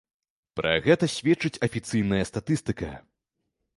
Пра гэта сведчыць афіцыйная статыстыка.